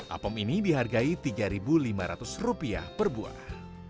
apem ini dihargai rp tiga lima ratus per buah